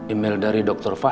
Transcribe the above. e mail dari dokter fahri